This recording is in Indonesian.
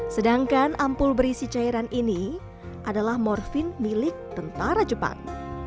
sedangkan ampul berisi cairan ini adalah morfin milik tentara jepang